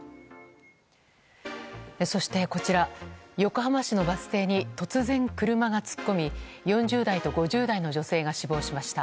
そして、こちら横浜市のバス停に突然、車が突っ込み４０代と５０代の女性が死亡しました。